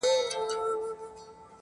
په نوي جام کې زاړه شراب